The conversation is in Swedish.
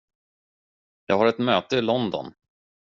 Jag har ett möte i London.